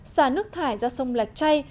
xả nước thải ra sông lạch chay